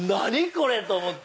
これ！と思って。